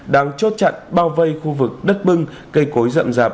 đang chốt chặn bao vây khu vực đất bưng cây cối rậm rạp